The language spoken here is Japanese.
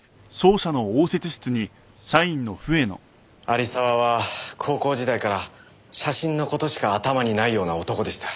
有沢は高校時代から写真の事しか頭にないような男でした。